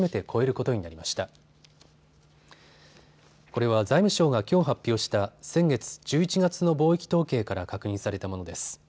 これは財務省がきょう発表した先月１１月の貿易統計から確認されたものです。